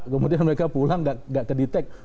kemudian mereka pulang nggak kedetek